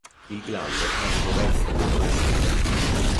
Il glande è ricoperto da piccole spine.